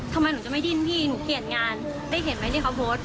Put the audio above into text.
หนูจะไม่ดิ้นพี่หนูเปลี่ยนงานได้เห็นไหมที่เขาโพสต์